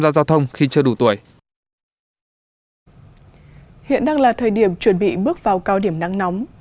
do giao thông khi chưa đủ tuổi hiện đang là thời điểm chuẩn bị bước vào cao điểm nắng nóng